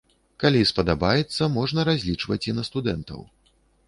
Калі спадабаецца, можна разлічваць і на студэнтаў.